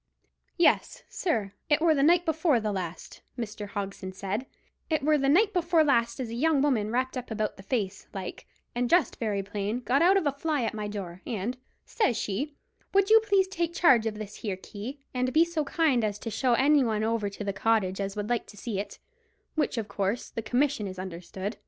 "Yes, sir, it were the night before the last," Mr. Hogson said; "it were the night before last as a young woman wrapped up about the face like, and dressed very plain, got out of a fly at my door; and, says she, 'Would you please take charge of this here key, and be so kind as to show any one over the cottage as would like to see it, which of course the commission is understood?